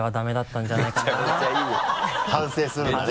反省するんだね。